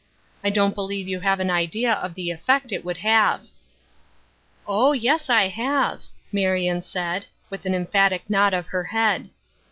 I don't believe you have an idea of the effect it would have." " Oh, yes I have," Marion said, with an em phatic nod of her head.